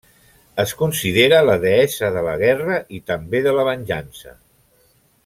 Es considera la deessa de la guerra i també de la venjança.